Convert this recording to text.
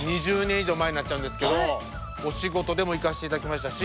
以上前になっちゃうんですけどお仕事でも行かせていただきましたし